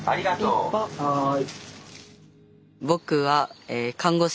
はい。